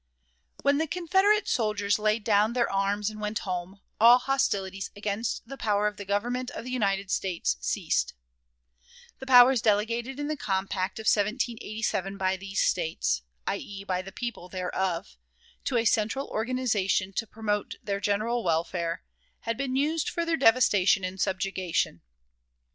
When the Confederate soldiers laid down their arms and went home, all hostilities against the power of the Government of the United States ceased. The powers delegated in the compact of 1787 by these States, i. e., by the people thereof, to a central organization to promote their general welfare, had been used for their devastation and subjugation.